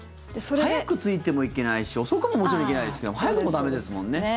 早く着いてもいけないし遅くももちろんいけないですけど早くても駄目ですもんね。